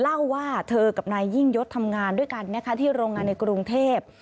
เล่าว่าเธอกับนายยิ่งยศทำงานด้วยกันนะคะที่โรงงานในกรุงเทพ